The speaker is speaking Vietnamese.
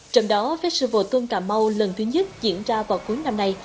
trong đó festival tôn cà mau lần thứ nhất diễn ra vào cuối năm nay